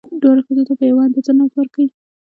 دواړو ښځو ته په یوه اندازه ناز ورکئ.